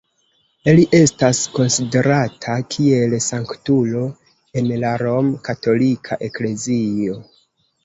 Li estas konsiderata kiel sanktulo en la Rom-katolika eklezio.